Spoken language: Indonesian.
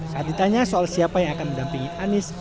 satu tanya soal siapa yang akan mendampingi anies